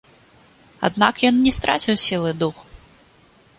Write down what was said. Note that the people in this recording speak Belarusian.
Аднак ён не страціў сілы духу.